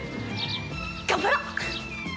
頑張ろう！